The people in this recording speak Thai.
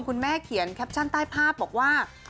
เขียนแคปชั่นใต้ภาพบอกว่า